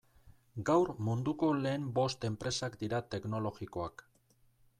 Gaur munduko lehen bost enpresak dira teknologikoak.